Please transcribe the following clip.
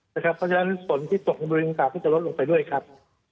เพราะฉะนั้นฝนที่ตกของบริษัทก็จะลดลงไปด้วยครับ